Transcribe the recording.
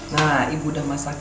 nah ibu udah masak